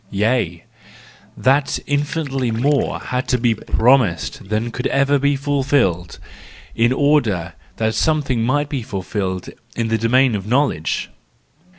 Yea, that infinitely more had to be promised than could ever be fulfilled, in order that something might be fulfilled in the domain of knowledge?